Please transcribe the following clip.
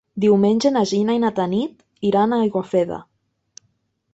Diumenge na Gina i na Tanit iran a Aiguafreda.